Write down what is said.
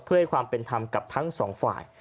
เพื่อให้ความเป็นธรรมกับทั้งสองฝ่าย